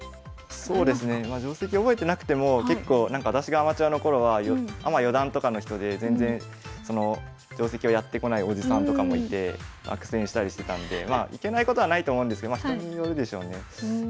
そうですねまあ定跡覚えてなくても私がアマチュアの頃はアマ四段とかの人で全然定跡をやってこないおじさんとかもいて苦戦したりしてたのでいけないことはないと思うんですけど人によるでしょうね。